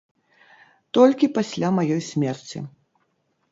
Толькі пасля маёй смерці.